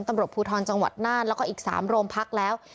ตำรวจภูทรจังหวัดน่านแล้วก็อีก๓โรงพักแล้ว